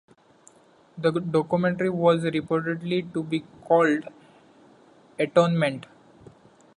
The documentary was reportedly to be called "Atonement".